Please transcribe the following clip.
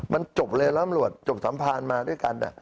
มันจบเลยแล้วอำรวจจบสัมภารมาด้วยกัน